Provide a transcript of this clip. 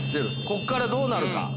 ここからどうなるか。